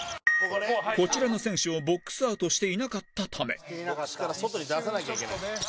こちらの選手をボックスアウトしていなかったため澤部：一瞬、ちょっとね。